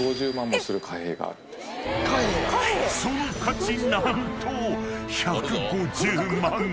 ［その価値何と１５０万円］